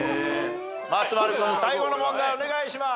松丸君最後の問題お願いします。